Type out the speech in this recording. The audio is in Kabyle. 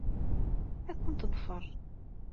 Ad ken-teḍfer.